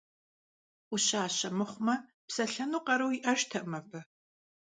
Ӏущащэ мыхъумэ, псэлъэну къару иӀэжтэкъым абы.